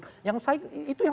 itu yang saya gak mau